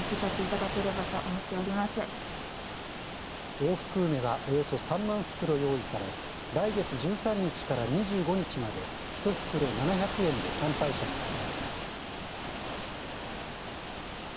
大福梅は、およそ３万袋用意され来月１３日から２５日まで１袋７００円で参拝者に配られます。